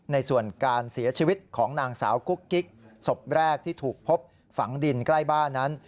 ในส่วนการเสียชีวิตของนางสาวกุ๊กกิ๊กศพแรกที่ถูกพบฝังดินใกล้บ้านนั้น